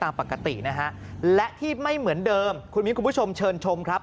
ตามปกตินะฮะและที่ไม่เหมือนเดิมคุณมิ้นคุณผู้ชมเชิญชมครับ